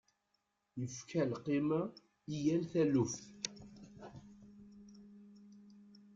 Yefka lqima i yal taluft.